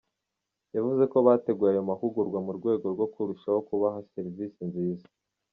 Yavuze ko bateguye ayo mahugurwa mu rwego rwo kurushaho kubaha service nziza.